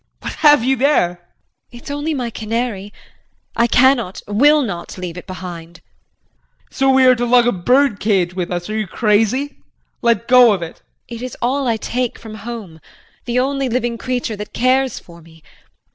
What have you there? JULIE. It's only my canary. I cannot, will not, leave it behind. JEAN. So we are to lug a bird cage with us. Are you crazy? Let go of it. JULIE. It is all I take from home. The only living creature that cares for me.